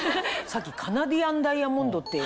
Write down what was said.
さっきカナディアンダイヤモンドって。